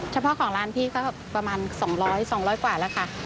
เฉพาะของร้านพี่ก็ประมาณ๒๐๐๒๐๐กว่าแล้วค่ะ